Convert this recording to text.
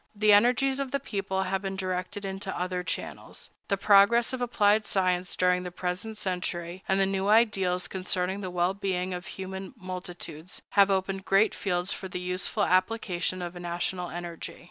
The energies of the people have been directed into other channels. The progress of applied science during the present century, and the new ideals concerning the well being of human multitudes, have opened great fields for the useful application of national energy.